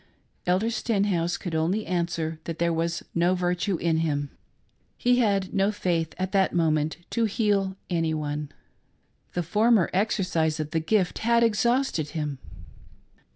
Elder Stenhouse could only answer that there was " no virtue in him ;" he had no faith at that moment to 88 A mother's sorrow. heal any one ; the former exercise of the gift had exhausted him.